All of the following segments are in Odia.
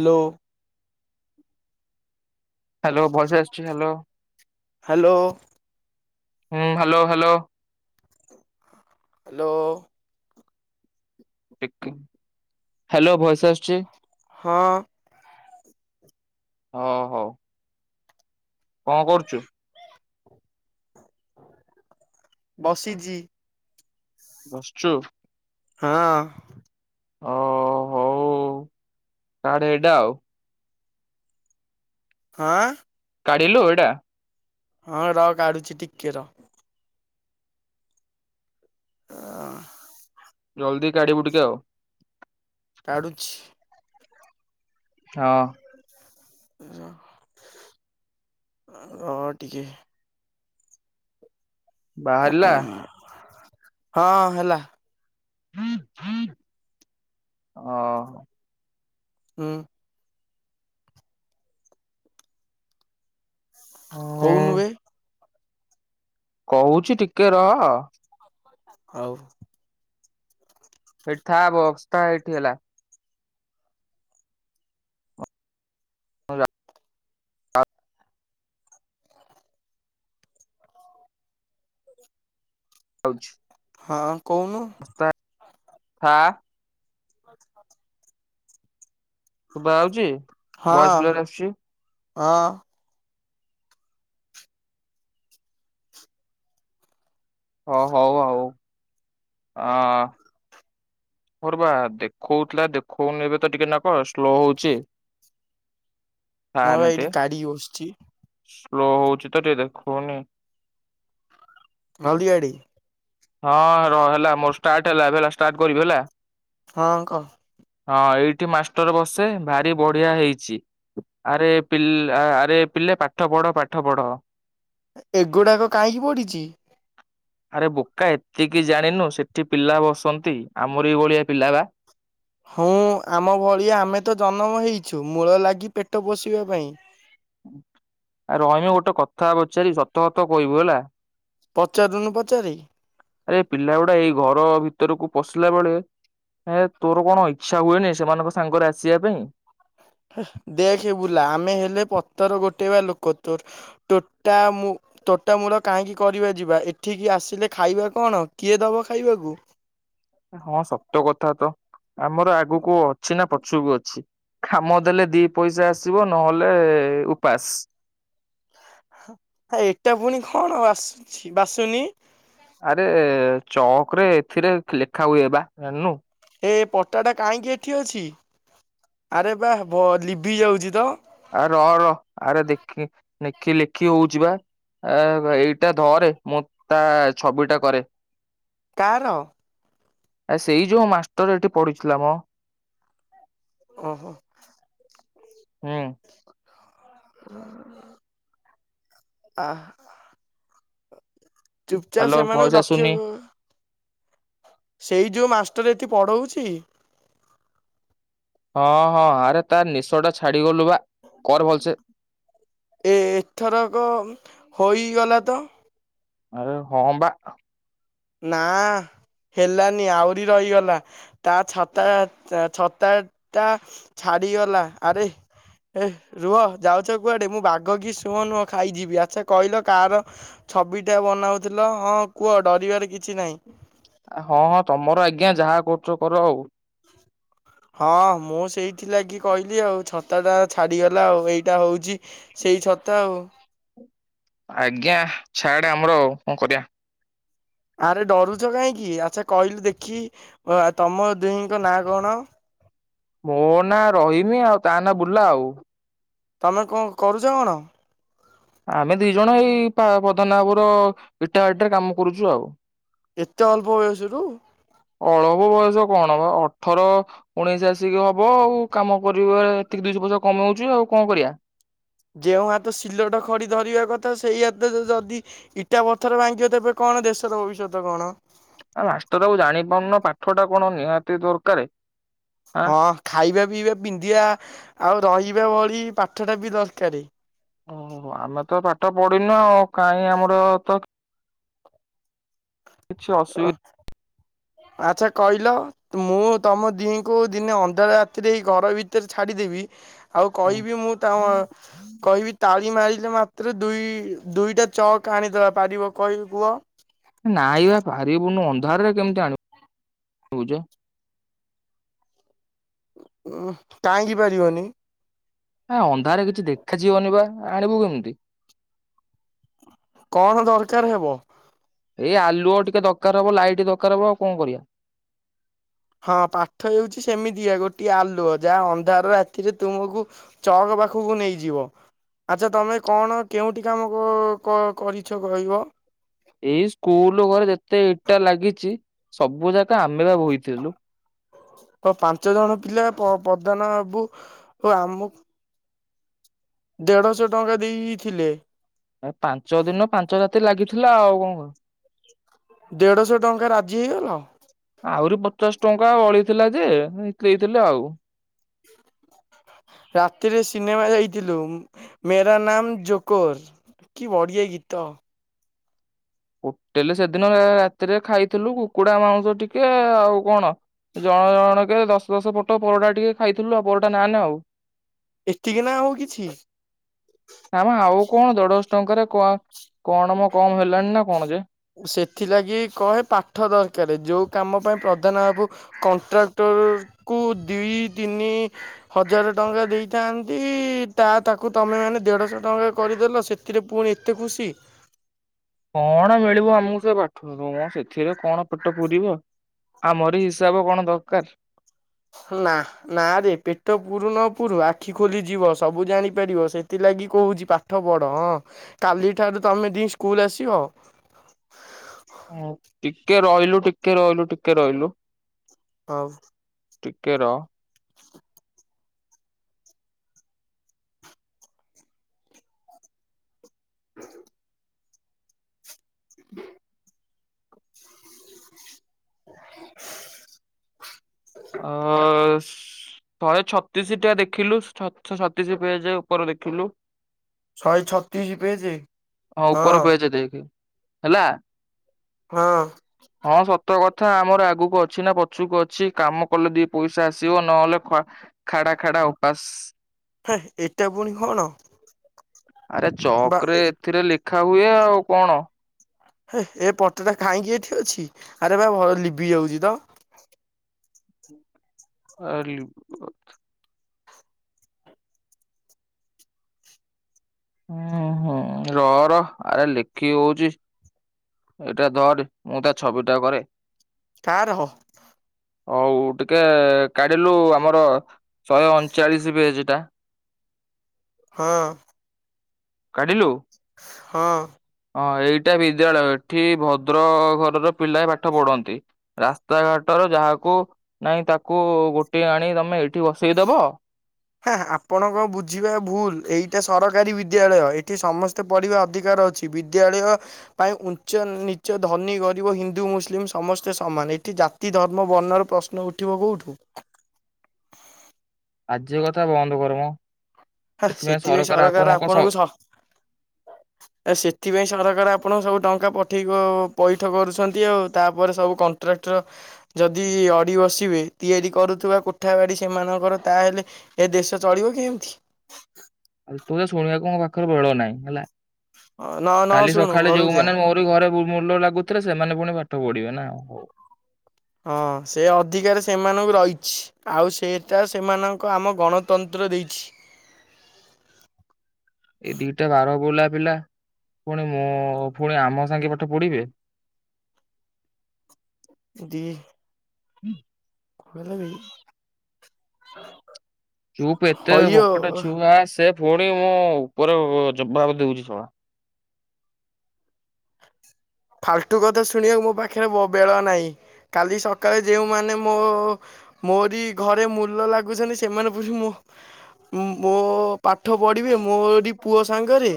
ଆଦ ହ୍ୟାଲୋ ବସେ ଆସଛି ହ୍ୟାଲୋ। ହ୍ୟାଲୋ ହୁଁ ହ୍ୟାଲୋ ହ୍ୟାଲୋ। ହ୍ୟାଲୋ। ହ୍ୟାଲୋ ଭୟସ [inaudible] ହଁ। ହଁ ହଉ। କଣ କରୁଛୁ ବସିଛି । ବସିଛୁ। ହଁ। ହ ହଉ କାଡେ ଏଟା ଆଉ [inaudible] ହଁ [inaudible] କାଢିଲୁ ଏଇ ଟା ହଁ ର କାଢୁଛି ଟିକେ ରହ। ହ [inaudible] ଜଲଦି କାଢିବୁ ଟିକେ ଆଉ । କାଢୁଛି। ହଁ। ହ ଟିକେ ବାହାରିଲା। ହଁ ହେଲା। ହଁ [inaudible] ହୁଁ। କଉ ନୁହେ। [inaudible] କହୁଚ ଟିକେ ରହ। ହଉ। ଏଇଠି ବକ୍ସଟା ଏଇଠି ହେଲା। ହଉଲା [inaudible] ହଉଛି। ହଁ କହୁନୁ। ହଁ। ଆ ଶୁଭା ଯାଉଛି ହଁ ଭଏସ କ୍ଲିୟର ଆସୁଛି? ହଁ। ହ ହଉ ହଉ ଆଉ। ହଁ। ମୋର ବା ଦେଖଉଥିଲା ଦେଖଉନି ଏବେ ତ ଟିକେ ନ କ ସ୍ଲୋ ହଉଚି। ମୋର ଏଇଠି କାଢିକି ବସିଛି । ସ୍ଲୋ ହଉଛିି ତ ଟିକେ ଦେଖଉନି । ହଳଦୀ ଗାଡ଼ି। ହଁ ରହ ହେଲା ମୋର ଷ୍ଟାର୍ଟ ହେଲା ଏବେ ଷ୍ଟାର୍ଟ କରିବି ହେଲା। ହଁ କହ। ହଁ ଏଇଠି ମାଷ୍ଟର ବସେ ଭାରି ବଢିଆ ହେଇଚି ଆରେ ପି ଲେ ଆରେ ପିଲେ ପାଠ ପଢ ପାଠ ପଢ। ଏଗୁଡାକ କାହିଁକି ପଡିଚି? ଆରେ ବୋ କା ଏତିକି ଜାଣିନୁ ସେଠି ପିଲା ବସନ୍ତି ଆମର ଏଇ ଭଳିଆ ପିଲା ବା ହଁ ଆମ ଭଳିଆ ଆମେ ତ ଜନ୍ମ ହେଇଚୁ ମୂଳ ଲାଗି ପେଟ ପୋଷିବା ପାଇଁ ଆ ରହିମ ଗୋଟେ କଥା ପଚାରିବି ସତ ସତ କହିବୁ ହେଲା। ପଚାରୁନୁ ପଚାରେ? ଆରେ ପିଲା ଗୁଡା ଏଇ ଘର ଭିତରକୁ ପଶିଲା ବେଳେ ଏ ତୋର କଣ ଇଚ୍ଛା ହୁଏନି ସେମାନଙ୍କ ସାଙ୍ଗରେ ଆସିବା ପାଇଁ ହେ ଦେଖେ ବୁଲା ଆମେ ହେଲେ ପତର ଗୋଟେଇବା ଲୋକ ତୋ ତୋଟ ମୁ ତୋଟା ମୂଳ କାହିଁକି କରିବା ଯିବା ଏଠିକି ଆସିଲେ ଖାଇବା କଣ କିଏ ଦବ ଖାଇବାକୁ? ହଁ ସତ କଥାତ। ଆମର ଆଗକୁ ଅଛି ନା ପଛୁକୁ ଅଛି କାମ ଦେଲେ ଦି ପଇସା ଆସିବ ନହେଲେ ଉପାସ। ଏଟା ପୁଣି କଣ ବାସୁଚି ବାସୁନି । କିରେ ଏଥିରେ ଲେଖା ହୁଏ ବା ଜାଣିନୁ। ଏ ପଟାଟା କାହିଁକି ଏଠି ଅଛି ଆରେ ବା ଲିଭି ଯାଉଚି ତ। ଆ ରହ ରହ ଆରେ ଦେଖେଁ ଦେଖି ଲେଖି ହଉଚିବା ଏଇଟା ଧରେ ମୁଁ ତା ଛବିଟା କରେ । କାହାର? ଆ ସେଇ ଯୋଉ ମାଷ୍ଟର ଏଠି ପଡଥିଲା ମ। ଓହୋ। ହୁଁ। [unintelligible] ଚୁପଚାପ ହ୍ୟାଲୋ ସେମାନଙ୍କୁ ଭଏସ ଲକ୍ଷ୍ୟ ଆସୁନି। କ ସେଇ ଯୋଉ ମାଷ୍ଟର ଏଠି ପଢଉଚି। ହଁ ହଁ ଆରେ ତ ନିଶ ଟା ଛା ଏ ଏଥରକ ହୋଇଗଲା ତ ଆରେ ହଁ ବା। ନା ହେଲାନି ଆହୁରି ରହିଗଲା ତା ଛତା ଛତା ଟା ଛାଡିଗଲା ଆରେ ଏ ରୁହ ଯାଉଚ କୁଆଡେ ମୁଁ ବାଘ କିି ସିଂହ ନୁହଁ ଖାଇଯିବି ଆଚ୍ଛା କହିଲ କାହାର ଛବିଟା ବନାଉଥିଲ ହଁ କୁହ ଡରିବାର କିଛି ନାଇଁ। ହଁ ହଁ ତମର ଆଜ୍ଞା ଯାହା କରୁଚ କର ଆଉ ହଁ ମୁଁ ସେଇଥିଲାଗି କହିଲି ଆଉ ଛତାଟା ଛାଡିଗଲା ଆଉ ଏଇଟା ହୋଉଚି ସେଇ ଛତା ଆଉ। ଆଜ୍ଞା ଛାଆଡେ ଆମର କଣ କରିବା। ଆରେ ଡରୁଚ କାହିଁକି ଆଚ୍ଛା କହିଲୁ ଦେଖି ତମ ଦୁହିଁଙ୍କ ନାଁ କଣ? ମୋ ନାଁ ରହିମି ଆଉ ତା ନାଁ ବୁଲା ଆଉ। ତମେ କ କରୁଚ କଣ? ଆମେ ଦିଇ ଜଣ ଏଇ ପ ପଦନା ବାବୁର ଇଟା ଭାଟିରେ କାମ କରୁଚୁ ଆଉ। ଏତେ ଅଳ୍ପ ବୟସ ରୁ କଣବା ଅଠର ଉଣେଇଶ ଆସିକି ହବ ଆଉ କାମ କରିବ ଏତିକି ଦିଇଶହ ପଇସା କମେଉଉଚୁ ଆଉ କଣ କରିବା। ଯେଉଁ ହାତ ସିଲଟ ଖଡି ଧରିବା କଥା ସେଇ ହାତରେ ଯଦି ଇଟା ପଥର ଭାଙ୍ଗିବ ତେବେ କଣ ଦେଶର ଭବିଷ୍ୟତ କଣ? ଆ ମାଷ୍ଟର ବାବୁ ଜାଣି ପାରୁନ ପାଠଟା କଣ ନିହାତି ଦରକାର? ଆଁ। ହଁ ଖାଇବା ପିଇବା ପିନ୍ଧିବା ଆଉ ରହିବା ଭଳି ପାଠ ଟା ବି ଦରକାରୀ। ଓହୋ ଆମେ ତ ପାଠ ପଢିନୁ ଆଉ କାହିଁ ଆମର ତ କିଛି ଅସୁବିଧା ଆଚଛା କହିଲ ମୁଁ ତମ ଦିହିଁଙ୍କୁ ଦିନେ ଅନ୍ଧାର ରାତିରେଇ ଘର ଭିତରେ ଛାଡିଦେବି। ଆଉ କହିବି ମୁଁ ତା କହିବି ତାଳି ମାରିଲେ ମାତ୍ରେ ଦୁଇ ଦୁଇଟା ଚକ୍ ଆଣିଦବା ପାରିବ କହିବି କୁହ। ନାଇବା ପାରିବୁନୁ ଅନ୍ଧାରରେ କେମତି ଆଣିବୁ ବୁଛ। ଉ କାହିଁକି ପାରିବନି। ହଁ ଧରେ କିଛି ଦେଖାଯିବନି ବା। ଆଣିବୁ କେମିତି? କଣ ଦରକାର ହେବ? ଏଇ ଆଲୁଅ ଟିକେ ଦରକାର ହବ ଲାଇଟ୍ ଦରକାର ହବ ଆଉ କଣ କରିବା। ହଁ ପାଠ ହେଉଛି ସେମିତିଆ ଗୋଟିଏ ଆଲୁଅ ଯାହା ଅନ୍ଧାର ରାତିରେ ତୁମକୁ ଚକ ପାଖକୁ ନେଇଯିବ। ଆଚ୍ଛା ତମେ କଣ କେଉଠି କାମ କରିଛ କହିବ? ଏଇ ସ୍କୁଲ ଘରେ ଯେତେ ଏଇଟ ଟା ଲାଗିଛି ସବୁ ଯାକ ଆମେ ବା ବୋହିଥିଲୁ। ହ ପାଞ୍ଚ ଜଣ ପିଲା ପ୍ରଦାନ ହେବୁ ଓ ଆମ ଦେଢଶହ ଟଙ୍କା ଦେଇଥିଲେ। ଏ ପାଞ୍ଚ ଦିନ ପାଞ୍ଚ ରାତି ଲାଗିଥିଲା ଆଉ କଣ କ। ଦେଢଶହ ଟଙ୍କା ରାଜି ହେଇଗଲ। ଆହୁରି ପଚାଶ ଟଙ୍କା ବଳିେଇଥିଲା ଯେ ଦେଇଥିଲେ ଆଉ। ରାତିରେ ସିନେମା ଯାଇଥିଲୁ ମେରା ନାମ ଜୋକର କି ବଢିଆ ଗୀତ। ହୋଟେଲ ସେଦିନ ରାତିରେ ଖାଇଥିଲୁ। କୁକୁଡା ମାଉସ ଟିକେ ଆଉ କଣ ଜଣ ଜଣ କେ ଦଶ ଦଶ ପଟ ପରଟା ଟିକେ ଖାଇଥିଲୁ ଆଉ ପରଟା ନାାନେ ଆଉ। ଏତିକି ନା ହଉ କିଛି। ଆମ ଆଉ କଣ ଦେଢଶ ଟଙ୍କାରେ କ କଣ ମ କମ ହେଲାଣି ନା କଣ ଯେ। ସେଥିଲାଗି କହେ ପାଠ ଦରକାର ଯୋଉ କାମ ପାଇଁ ପ୍ରଧାନ ବାବୁ କଣ୍ଟ୍ରାକ୍ଟରକୁୁ ଦି ତିନି ହଜାର ଟଙ୍କା ଦେଇଥାନ୍ତି ତା ତାକୁ ତମେ ମାନେ ଦେଢଶହ ଟଙ୍କା କରିଦେଲ। ସେଥିରେ ପୁଣି ଏତେ ଖୁସି। କଣ ମିଳିବ ଆମକୁ ସେ ପାଠରୁ। ତମ ସେଥିରେ କଣ ପେଟ ପୂୁରିବ। ଆମର ହିସାବ କଣ ଦରକାର। ନା ନା ରେ ପେଟ ପୁରୁ ନ ପୂରୁ ଆଖି ଖୋଲିଯିବ ସବୁ ଜାଣିପାରିବ ସେଥିଲାଗି କହୁଛି ପାଠ ପଢ ହଁ କାଲିଠାରୁ ତମେ ଦ ସ୍କୁଲ ଆସିବ। ହଁ ଟିକେ ରହିଲୁ ଟିକେ ରହିଲୁ ଟିକେ ରହିଲୁ। ହଉ। ଟିକେର। [inaudible] [inaudible] ଅ ଳେ ଛତିଶ ଟା ଦେଖିଲୁଛ ଛତିଶ ପେଜ ଉପରେ ଦେଖିଲୁ ଶହ ଛତିଶ ପେଜ ହଁ। ଉପର ପେଜ ଦେଖେ ହେଲା। ହଁ ହଁ ସତ କ ଥା ଆମର ଆଗକୁ ଅଛି ନା ପଛୁକୁ ଅଛି। କାମ କଲେ ଦି ପଇସା ଆସିବ ନହେଲେ ଖ ଖାଡା ଖଡା ଉପାସ ହେଁ ଏଟା ଫୁଣି କଣ ବା ଏ ଖା ହୁଏ ଆଉ କଣ? ହେ ଏ ପଟଟା ଖାଇଁକି ଏଠି ଅଛି ଆରେ ବା ଭଲ ଲିିଭି ଯାଉଚି ତ। [inaudible] ଉଁ ହୁଁ ର ର ଆରେ ଲେଖି ହଉଚି ଏଇଟା ଧରି ମୁଁ ତା ଛବି ଟା କରେ। କାରହ? ହଉ ଟିକେ କାଢିଲୁ ଆମର ଶହେ ଅଣଚାଳିଶ ଭେଜଟା। ହଁ। କାଢିଲୁ ହଁ। ହଁ ଏଇଟା ବିଦ୍ୟାଳୟ ଏଠି ଭଦ୍ର ଘରର ପିଲା ପାଠ ପଢନ୍ତି ରାସ୍ତାଘାଟର ଯାହାକୁ ନାଇଁ ତାକୁ ଗୋଟେଇ ଆଣି ତମେ ଏଠି ବସେଇଦବ। ହେଁ ହେଁ ଆପଣ କ ବୁଝିବା ଭୁଲ ଏଇଟା ସରକାରୀ ବିଦ୍ୟାଳୟ ଏଠି ସମସ୍ତେ ପଢିବା ଅଧିକାର ଅଛି ବିଦ୍ୟାଳୟ ପାଇଁ ଉଞ୍ଚ ନିଚ ଧନୀ ଗରିବ ହିନ୍ଦୁ ମୁସଲିମ ସମସ୍ତେ ସମାନ ଏଠି ଜାତି ଧର୍ମ ବର୍ଣ୍ଣର ପ୍ରଶ୍ନ ଉଠିବ କୋଉଠୁ। ବାଯ୍ୟ କଥା ବନ୍ଦ କରମ। ହା ସେଥିପାଇଁ ସରକାର ଆପଣଙ୍କୁ ସ ସେଥିପାଇଁ ସରକାର ଆପଣ ସବୁ ଟଙ୍କା ପଠେଇକି ପଇଠ କରୁଛନ୍ତି ଆଉ ତାପରେ ସବୁ କଣ୍ଟ୍ରାକ୍ଟର ଯଦି ଅଡ଼ି ବସିବେ ତିଆରି କରୁଥିବା କୋଠା ବାଡ଼ି ସେମାନଙ୍କର ତାହେଲେ ଏ ଦେଶ ଚଳିବ କେମତି? ତୁ ଏ ଶୁଣିବାକୁ ମୋ ପାଖରେ ବେଳ ନାହିଁ ହେଲା। ନ ନ କାଲି ଶୁଣୁ ସକାଳେ ଘରକୁ ଯା ଯୋଉମାନେ ମୋରି ଘରେ ମୁ ମୂଲ ଲାଗୁଥିଲା ସେମାନେ ଫୁଣି ପାଠ ପଢିବେ ନା ହଉ। ହଁ ସେ ଅଧିକାର ସେମାନଙ୍କୁ ରହିଚି ଆଉ ସେଟା ସେମାନଙ୍କ ଆମ ଗଣତନ୍ତ୍ର ଦେଇଛି। ଏଇ ଦିଟା ବାର ବୁଲା ପିଲା ଫୁଣି ମୋ ଫୁଣି ଆମ ସାଙ୍ଗେ ପାଠ ପଢ଼ିବେ। ଦି [inaudible] [unintelligible] ଚୁପ ଏତେ ହଇଓ ବକେଟେ ଛୁଆ ସେ ପୁଣି ମୋ ଉପରେ ଜବାବ ଦଉଚି [inaudible] ଫାଲଟୁ କଥା ଶୁଣିବାକୁ ମୋ ପାଖରେ ବେଳ ନାହିଁ କାଲି ସକାଳେ ଯେଉଁମାନେ ମୋ ଓ ମୋରି ଘରେ ମୂଲ ଲାଗୁଛନ୍ତି ସେମାନେ ପୁଣି ମୋ ମୋ ପାଠ ପଢିବେ ମୋରି ପୁଅ ସାଙ୍ଗରେ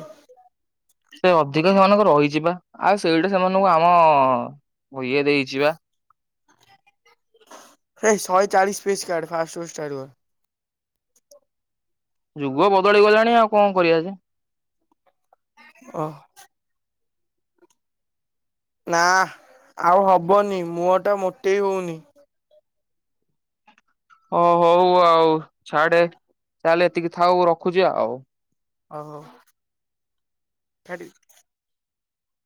ରହିଚିବା ଆଉ ସେଇଟା ସେମାନଙ୍କୁ ଆମ ଇଏ ଦେଇଚିବା। ହେ ଶହେ ଚାଳିଶ ପିସ୍ କାଢେ ଫାଷ୍ଟ ପୃଷ୍ଠାରୁ। ଯୁଗ ବଦଳି ଗଲାଣି ଆଉ କଣ କରିବା ଯେ? ଓହ ନା ଆଉ ହବନି ମୁହ ଟା ମୋଟେଇ ହଉନି। ଅ ହଉ ଆଉ ଛାଡେ। ତାହେଲେ ଏତିକି ଥାଉ। ଖୋଜେ ଆଉ ଓହୋ ହେଟି